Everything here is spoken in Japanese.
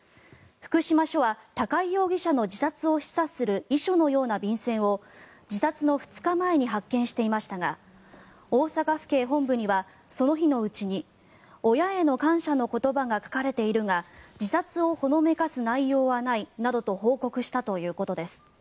福島署は高井容疑者の自殺を示唆する遺書のような便せんを自殺の２日前に発見していましたが大阪府警本部にはその日のうちに親への感謝の言葉が書かれているが自殺をほのめかす内容はないなどと報告したということです。